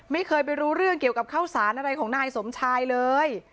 ไม่เคยไปรู้เรื่องเกี่ยวกับข้าวสารอะไรของนายสมชายเลย